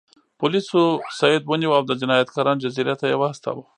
پولیسو سید ونیو او د جنایتکارانو جزیرې ته یې واستاوه.